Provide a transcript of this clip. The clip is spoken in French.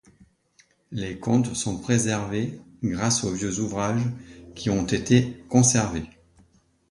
Les contes sont préservés grâce aux vieux ouvrages qui ont été conservés.